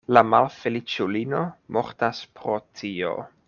La malfeliĉulino mortas pro tio.